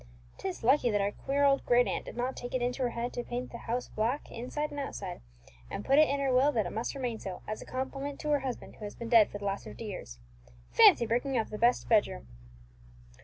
'Tis lucky that our queer old great aunt did not take it into her head to paint the house black, inside and outside, and put in her will that it must remain so, as a compliment to her husband, who has been dead for the last fifty years. Fancy bricking up the best bed room!"